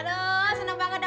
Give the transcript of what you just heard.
aduh seneng banget